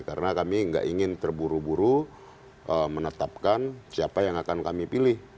karena kami nggak ingin terburu buru menetapkan siapa yang akan kami pilih